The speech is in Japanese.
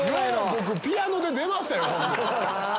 僕「ピアノ」で出ましたよ。